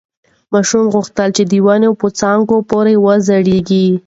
ماشوم غوښتل چې د ونې په څانګو پورې وځړېږي.